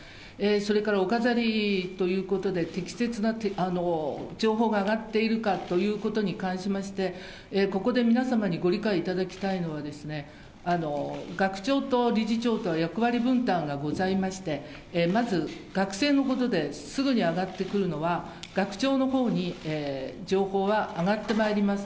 それからお飾りということで、適切な情報が上がっているかということに関しまして、ここで皆様にご理解いただきたいのはですね、学長と理事長とは役割分担がございまして、まず、学生のことですぐに上がってくるのは、学長のほうに情報は上がってまいります。